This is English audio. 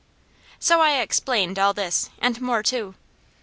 So I explained all this, and more too.